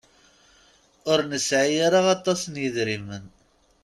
Ur nesɛi ara aṭas n yidrimen.